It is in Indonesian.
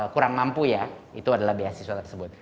kurang mampu ya itu adalah beasiswa tersebut